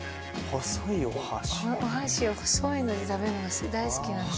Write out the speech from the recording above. お箸細いので食べるのが大好きなの。